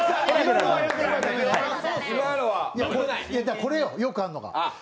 これよ、よくあるのが。